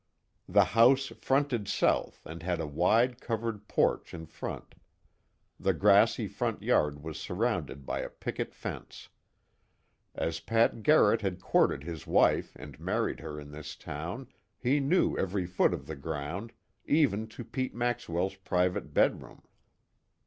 The house fronted south, and had a wide covered porch in front. The grassy front yard was surrounded by a picket fence. As Pat Garrett had courted his wife and married her in this town, he knew every foot of the ground, even to Pete Maxwell's private bed room.